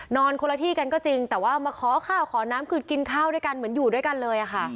นอนคนละที่กันก็จริงแต่ว่ามาขอข้าวขอน้ำคือกินข้าวด้วยกันเหมือนอยู่ด้วยกันเลยค่ะ